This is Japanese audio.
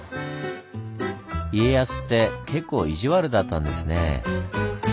家康って結構意地悪だったんですねぇ。